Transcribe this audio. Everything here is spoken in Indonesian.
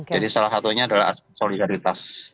jadi salah satunya adalah aspek solidaritas